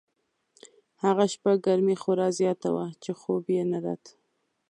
هغه شپه ګرمي خورا زیاته وه چې خوب یې نه راته.